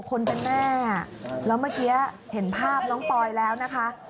คนเป็นแม่แล้วเมื่อกี้เห็นภาพน้องปอยแล้วนะคะ